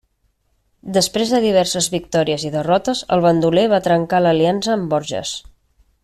Després de diverses victòries i derrotes, el bandoler va trencar l'aliança amb Borges.